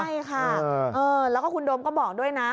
ใช่ค่ะคุณโดมก็บอกด้วยนะ